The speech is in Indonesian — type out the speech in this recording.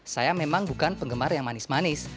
saya memang bukan penggemar yang manis manis